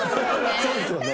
そうですよね。